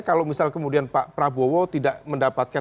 kalau misal kemudian pak prabowo tidak mendapatkan